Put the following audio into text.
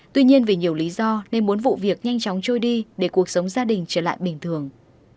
tuy nhiên vì nhiều lý do nên muốn vụ việc nhanh chóng trôi đi để cuộc sống gia đình trở lại bình thường